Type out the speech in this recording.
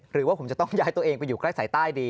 หรือว่าผมจะต้องย้ายตัวเองไปอยู่ใกล้สายใต้ดี